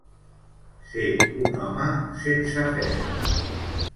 Ser un home sense fe.